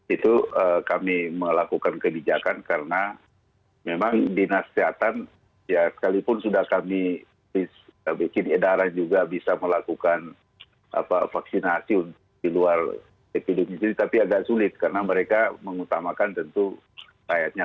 itu kami melakukan kebijakan karena memang dinas kesehatan ya sekalipun sudah kami bikin edaran juga bisa melakukan vaksinasi di luar epidemisi tapi agak sulit karena mereka mengutamakan tentu rakyatnya